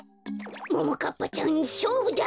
ももかっぱちゃんしょうぶだ！